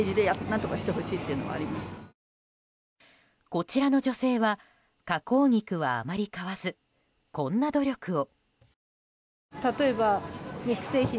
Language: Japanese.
こちらの女性は、加工肉はあまり買わずこんな努力を。